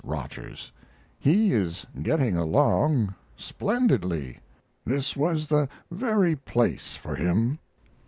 ROGERS, He is getting along splendidly! This was the very place for him.